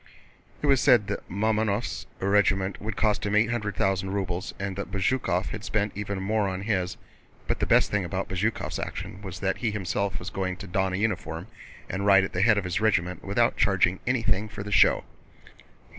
It was said that Mamónov's regiment would cost him eight hundred thousand rubles, and that Bezúkhov had spent even more on his, but that the best thing about Bezúkhov's action was that he himself was going to don a uniform and ride at the head of his regiment without charging anything for the show.